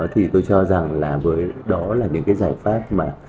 thì tôi cho rằng là với đó là những cái giải pháp mà